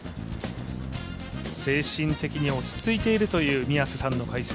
精神的に落ち着いているという宮瀬さんの解説。